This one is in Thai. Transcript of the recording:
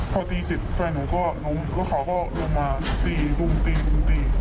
พอตีเสร็จแฟนหนูก็ล้มแล้วเขาก็ลงมาตีรุมตีบุมตี